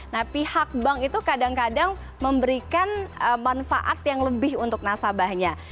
nah pihak bank itu kadang kadang memberikan manfaat yang lebih untuk nasabahnya